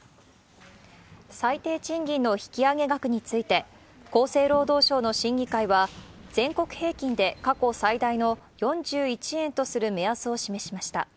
最低賃金の引き上げ額について、厚生労働省の審議会は、全国平均で過去最大の４１円とする目安を示しました。